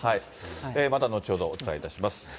また後ほどお伝えいたします。